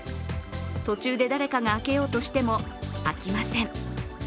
途中で誰かが開けようとしても開きません。